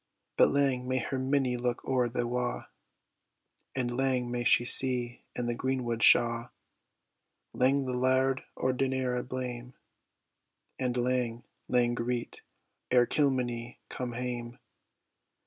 But lang may her minnie look o'er the wa', And lang may she seek in the greenwood shaw; Lang the Laird o' Duneira blame, And lang, lang greet e'er Kilmeny come hame!